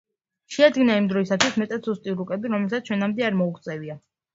შეადგინა იმ დროისათვის მეტად ზუსტი რუკები, რომლებსაც ჩვენამდე არ მოუღწევია.